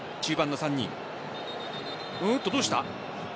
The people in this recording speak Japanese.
どうした。